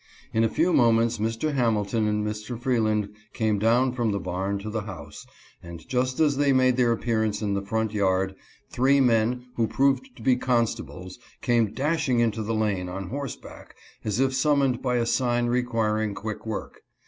In a few moments Mr. Hamilton and Mr. Freeland came down from the barn to the house, and just as they made their appearance in the front yard, three men, who proved to be constables, came dashing into the lane on horse back, as if summoned by a sign requiring quick work.